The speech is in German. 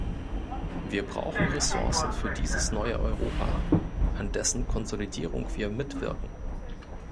Wir brauchen Ressourcen für dieses neue Europa, an dessen Konsolidierung wir mitwirken.